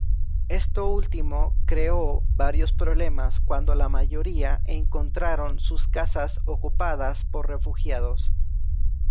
Esto último creó varios problemas cuando la mayoría encontraron sus casas ocupadas por refugiados.